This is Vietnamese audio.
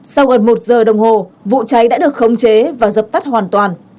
sau gần một giờ đồng hồ vụ cháy đã được khống chế và dập tắt hoàn toàn